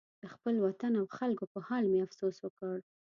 د خپل وطن او خلکو په حال مې افسوس وکړ.